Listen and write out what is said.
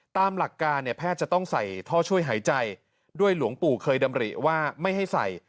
ตามหลักการเนี่ยแพทย์จะต้องใส่ท่อช่วยหายใจด้วยหลวงปู่เคยดำริว่าไม่ให้ใส่